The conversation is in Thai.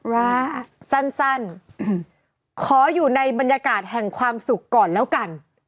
ว่าสั้นขออยู่ในบรรยากาศแห่งความสุขก่อนแล้วกัน